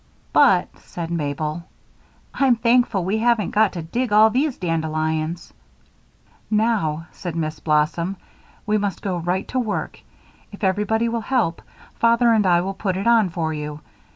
"But," said Mabel, "I'm thankful we haven't got to dig all these dandelions." "Now," said Miss Blossom, "we must go right to work. If everybody will help, Father and I will put it on for you.